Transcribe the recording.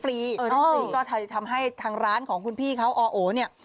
นี่ก็ทำให้ทางร้านของคุณพี่เขาอโอเนี่ย